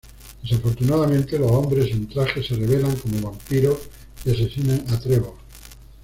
Desafortunadamente los hombres en traje se revelan como vampiros y asesinan a Trevor.